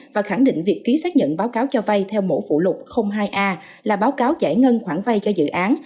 và khẳng định việc ký xác nhận báo cáo cho vay theo mẫu phụ lục hai a là báo cáo giải ngân khoản vay cho dự án